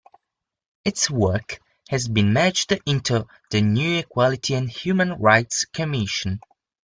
Its work has been merged into the new Equality and Human Rights Commission.